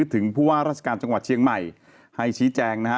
ถึงผู้ว่าราชการจังหวัดเชียงใหม่ให้ชี้แจงนะฮะ